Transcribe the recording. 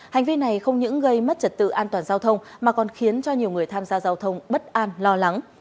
hành vi này không những gây mất trật tự an toàn giao thông mà còn khiến cho nhiều người tham gia giao thông bất an lo lắng